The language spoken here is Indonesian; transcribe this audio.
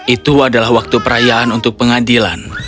itu adalah waktu perayaan untuk pengadilan